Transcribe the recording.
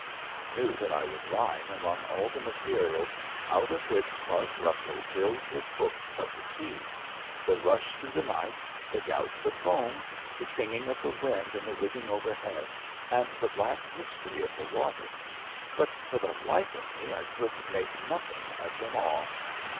I knew that I was lying among all the materials out of which THE EED LAMP 33 Clark Russell builds his books of the sea — ^the rush through the night, the gouts of foam, the singing of the wind in the rigging overhead, and the black mystery of the water — ^but for the life of me I could make nothing of them all.